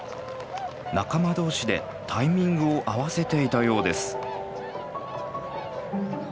仲間同士でタイミングを合わせていたようです。